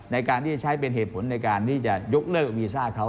ในการที่จะใช้เป็นเหตุผลในการที่จะยกเลิกวีซ่าเขา